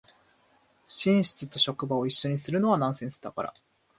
寝室と職場を一緒にするのはナンセンスだから